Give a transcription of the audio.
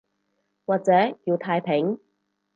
或者叫太平